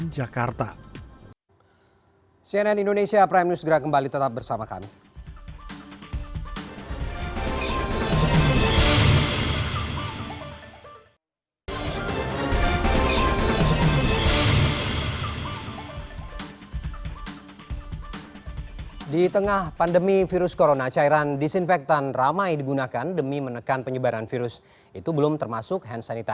jauhkan dari jangkauan anak anak